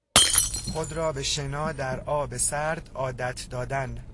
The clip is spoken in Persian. خود را به شنا در آب سرد عادت دادن